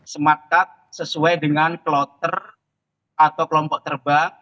smartkat sesuai dengan kloter atau kelompok terbang